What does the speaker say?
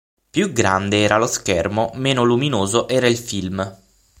Più grande era lo schermo, meno luminoso era il film.